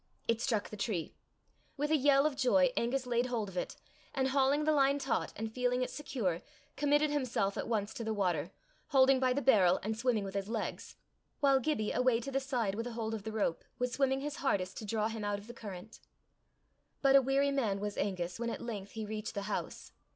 It struck the tree. With a yell of joy Angus laid hold of it, and hauling the line taut, and feeling it secure, committed himself at once to the water, holding by the barrel, and swimming with his legs, while Gibbie, away to the side with a hold of the rope, was swimming his hardest to draw him out of the current. But a weary man was Angus, when at length he reached the house.